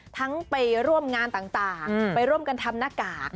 ไปร่วมงานต่างไปร่วมกันทำหน้ากาก